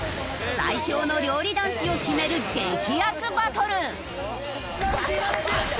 最強の料理男子を決める激アツバトル！